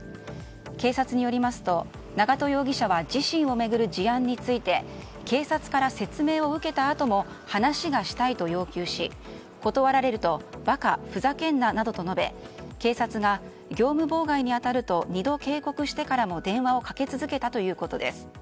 警察によりますと、長門容疑者は自身を巡る事案について警察から説明を受けたあとも話がしたいと要求し断られると馬鹿、ふざけんななどと述べ警察が業務妨害に当たると２度警告してからも電話をかけ続けたということです。